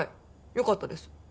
よかったです。